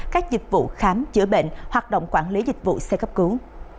các dịch vụ khám chữa bệnh hoạt động quản lý dịch vụ xe cấp cứu